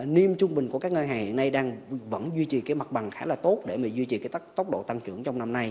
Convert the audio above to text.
niêm trung bình của các ngân hàng hiện nay đang vẫn duy trì cái mặt bằng khá là tốt để mà duy trì cái tốc độ tăng trưởng trong năm nay